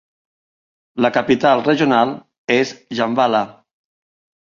La capital regional és Djambala.